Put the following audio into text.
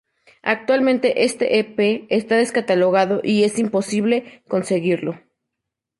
Actualmente este Ep está descatalogado y es imposible conseguirlo.